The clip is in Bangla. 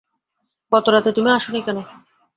গত রাতে তুমি আস নি কেন?